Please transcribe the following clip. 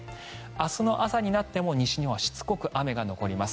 明日の朝になっても西日本はしつこく雨が残ります。